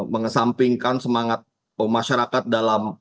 mengesampingkan semangat masyarakat dalam